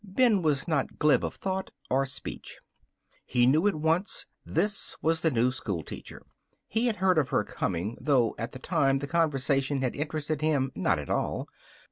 Ben was not glib of thought or speech. He knew at once this was the new schoolteacher. He had heard of her coming, though at the time the conversation had interested him not at all.